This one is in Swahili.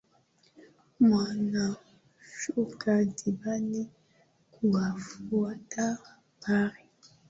wanashuka dimbani kuwafuata bari